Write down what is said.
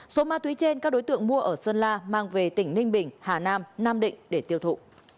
số ma túy trên các đối tượng mua ở sơn la mang về tỉnh ninh bình hà nam nam định để tiêu thụ